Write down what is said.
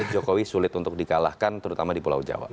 jokowi sulit untuk dikalahkan terutama di pulau jawa